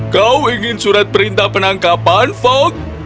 kau ingin surat perintah penangkapan fok